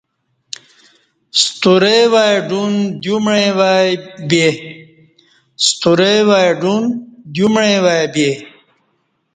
سطرے وای ڈون دیو میع وای بے